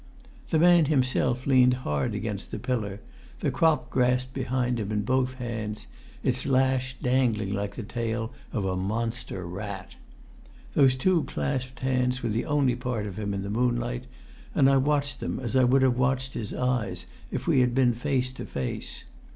The man himself leant hard against the pillar, the crop grasped behind him in both hands, its lash dangling like the tail of a monster rat. Those two clasped hands were the only part of him in the moonlight, and I watched them as I would have watched his eyes if we had been face to face.